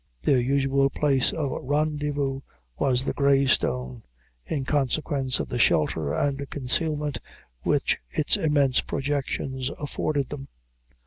Their usual place of rendezvous was the Grey Stone, in consequence of the shelter and concealment which its immense projections afforded them.